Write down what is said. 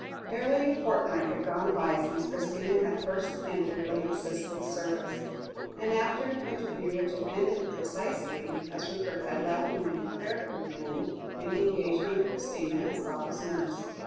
Barely a fortnight had gone by since Christina had first entered Lady Cicely's service, after an interview which had ended precisely as Rupert had laughingly declared it would end, in the engagement of Christina as Baba's nurse.